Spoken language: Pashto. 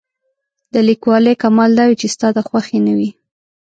د لیکوالۍ کمال دا وي چې ستا د خوښې نه وي.